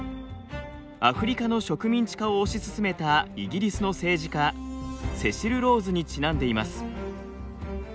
アフリカの植民地化を推し進めたイギリスの政治家セシル・ローズにちなんでいます。